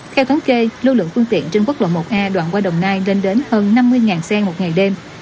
theo thống kê lưu lượng phương tiện trên quốc lộ một a đoạn qua đồng nai lên đến hơn năm mươi xe một ngày đêm